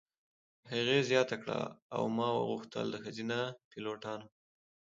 هغې زیاته کړه: "او ما غوښتل د ښځینه پیلوټانو.